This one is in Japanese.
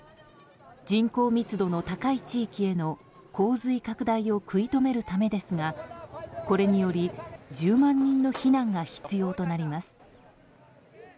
人口密度の高い地域への洪水拡大を食い止めるためですがこれにより１０万人の避難が必要となります。